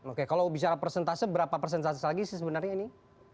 oke kalau bicara persentase berapa persentase lagi sih sebenarnya ini